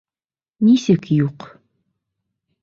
Нисек юҡ?